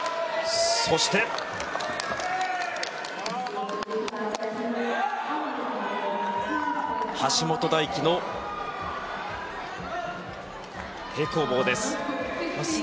そして橋本大輝の平行棒です。